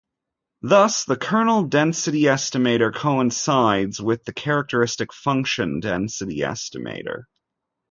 Thus the kernel density estimator coincides with the characteristic function density estimator.